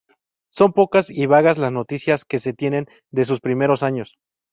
Son pocas y vagas las noticias que se tienen de sus primeros años.